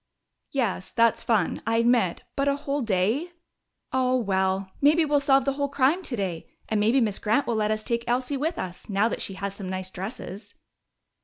"Yes, that's fun, I admit. But a whole day " "Oh, well, maybe we'll solve the whole crime today! And maybe Miss Grant will let us take Elsie with us, now that she has some nice dresses."